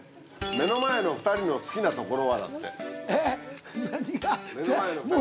目の前の２人の好きなところ。